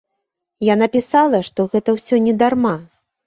Яна пісала, што гэта ўсё не дарма.